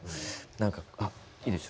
何かあっいいですよ